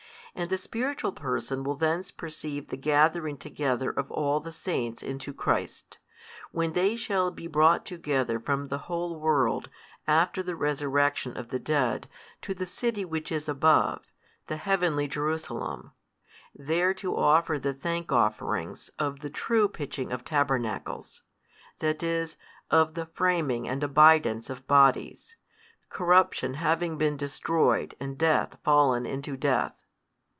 And the spiritual person will thence perceive the gathering together of all the Saints into Christ, when they shall be brought together from the whole world after the resurrection of the dead to the city which is above, the heavenly Jerusalem, there to offer the thank offerings of the true pitching of tabernacles, that is of the framing and abidance of bodies, corruption having been destroyed and death fallen into death.